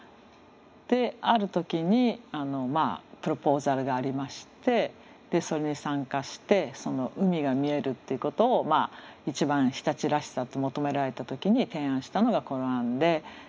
である時にプロポーザルがありましてそれに参加してその海が見えるっていうことを一番日立らしさと求められた時に提案したのがこの案で。